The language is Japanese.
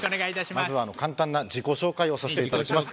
まずは簡単な自己紹介をさせていただきます。